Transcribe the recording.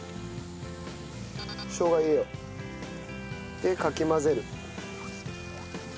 しょうが入れよう。でかき混ぜる。